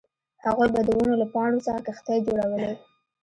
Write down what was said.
هغوی به د ونو له پاڼو څخه کښتۍ جوړولې